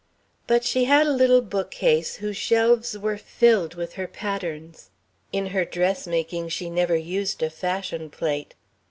But she had a little bookcase whose shelves were filled with her patterns in her dressmaking she never used a fashion plate.